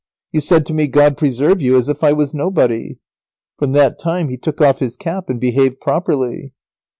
You said to me "God preserve you," as if I was nobody.' From that time he took off his cap, and behaved properly."